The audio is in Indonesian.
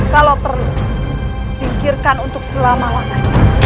kalau perlu singkirkan untuk selama makan